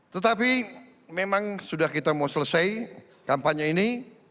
tetapi memang sudah kita mau selesai kampanye ini